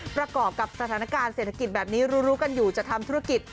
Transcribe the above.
ประกอบกับสถานการณ์เศรษฐกิจแบบนี้รู้กันอยู่จะทำธุรกิจ